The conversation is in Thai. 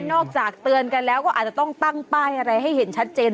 เตือนกันแล้วก็อาจจะต้องตั้งป้ายอะไรให้เห็นชัดเจน